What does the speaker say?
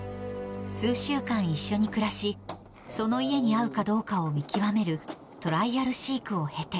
数週間一緒に暮らし、その家に合うかどうかを見極めるトライアル飼育を経て。